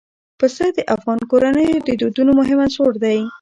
پسه د افغان کورنیو د دودونو مهم عنصر دی.